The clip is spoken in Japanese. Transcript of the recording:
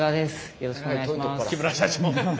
よろしくお願いします。